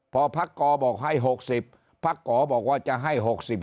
พอพักกอบอกให้๖๐พักกอบอกว่าจะให้๖๕